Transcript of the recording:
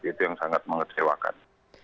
itu yang sangat mengecewakan